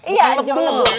iya hancur dan lebur